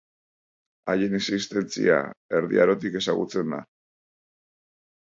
Haien existentzia Erdi Arotik ezagutzen da.